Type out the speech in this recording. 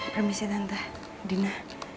permisi tante dina